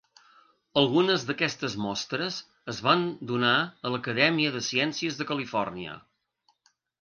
Algunes d'aquestes mostres es van donar a l'Acadèmia de Ciències de Califòrnia.